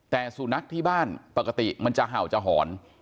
แต่สุนัขที่บ้านปกติมันจะเห่าจะหอน